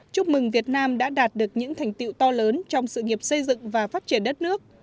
chúc mừng việt nam đã đạt được những thành tiệu to lớn trong sự nghiệp xây dựng và phát triển đất nước